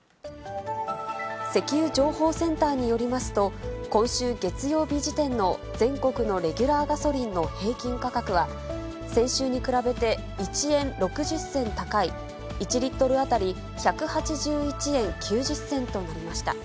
石油情報センターによりますと、今週月曜日時点の全国のレギュラーガソリンの平均価格は、先週に比べて１円６０銭高い、１リットル当たり１８１円９０銭となりました。